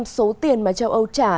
năm mươi tám năm số tiền mà châu âu trả